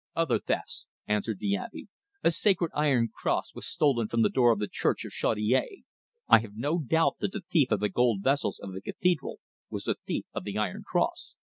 "Other thefts," answered the Abbe. "A sacred iron cross was stolen from the door of the church of Chaudiere. I have no doubt that the thief of the gold vessels of the cathedral was the thief of the iron cross."